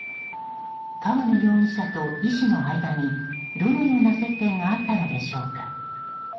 川野容疑者と医師の間にどのような接点があったのでしょうか。